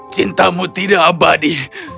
cintamu tidak abadi